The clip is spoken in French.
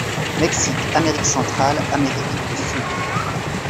Mexique, Amérique centrale, Amérique du Sud.